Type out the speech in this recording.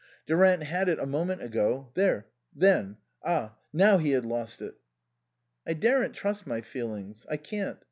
Durant had it a moment ago there then. Ah ! now he had lost it. " I daren't trust my feelings. I can't.